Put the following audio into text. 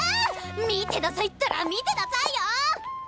見てなさいったら見てなさいよ！